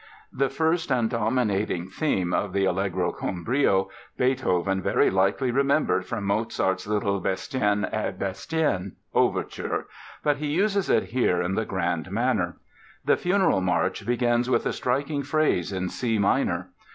The first and dominating theme of the "Allegro con brio" [Illustration: play music] Beethoven very likely remembered from Mozart's little Bastien und Bastienne overture, but he uses it here in the grand manner. The Funeral March begins with a striking phrase in C minor.